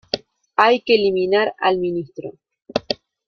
Hay que eliminar al Ministro.